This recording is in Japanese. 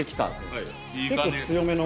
結構強めの。